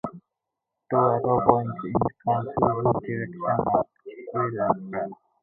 Two arrows pointing in conflicting directions will appear.